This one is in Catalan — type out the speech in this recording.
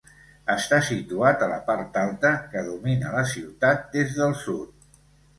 Està situat a la part alta, que domina la ciutat des del sud.